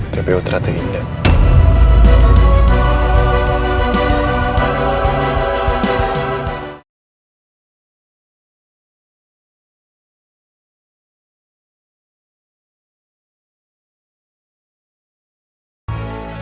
tapi apa yang terjadi